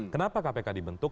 kenapa kpk dibentuk